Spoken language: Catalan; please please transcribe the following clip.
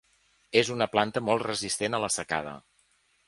És una planta molt resistent a la secada.